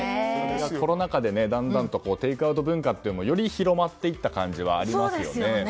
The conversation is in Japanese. コロナ禍でだんだんとテイクアウト文化もより広まっていった感じはありますよね。